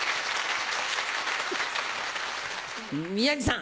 宮治さん。